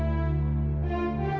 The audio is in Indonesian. aku akan mencari tuhan